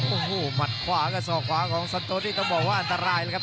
โอ้โหหมัดขวากับศอกขวาของสันโตนี่ต้องบอกว่าอันตรายเลยครับ